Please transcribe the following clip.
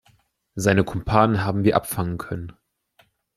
Seine Kumpanen haben wir abfangen können.